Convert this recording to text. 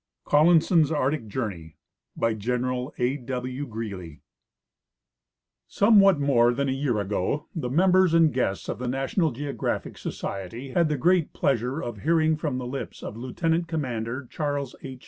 COLLINSON'S ARCTIC JOURNEY BY General A. W. GREELY (Presented by title before the Society April S, 1892) Somewhat more than a year ago the members and guests of the National Geographic Society had the great pleasure of hear ing from the lips of Lieutenant Commander Charles H.